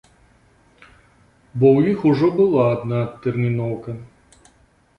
Бо ў іх ужо была адна адтэрміноўка.